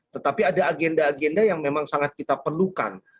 tetapi ada agenda agenda yang memang sangat kita perlukan